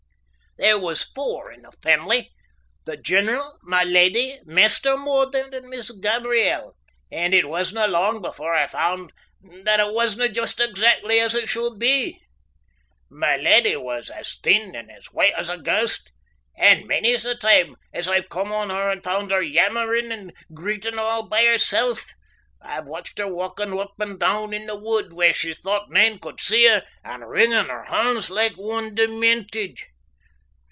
There was four in family, the general, my leddy, Maister Mordaunt, and Miss Gabriel, and it wasna long before I found that a' wasna just exactly as it should be. My leddy was as thin and as white as a ghaist, and many's the time as I've come on her and found her yammerin' and greetin' all by hersel'. I've watched her walkin' up and doon in the wood where she thought nane could see her and wringin' her honds like one demented.